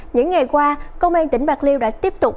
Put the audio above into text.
những ngày qua công an tỉnh bạc liêu đã tiếp tục